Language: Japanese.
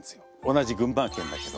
同じ群馬県だけども。